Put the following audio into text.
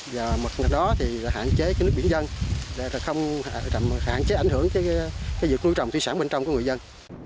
và một ngày đó hạn chế nước biển dân